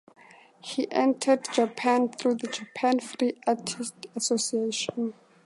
He entered Japan through the "Japan Free Artists Association".